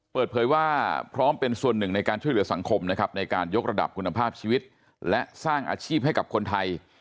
เปิดเผยว่าพร้อมเป็นส่วนหนึ่งในการช่วยเหลือสังคมนะครับในการยกระดับคุณภาพชีวิตและสร้างอาชีพให้กับคนไทย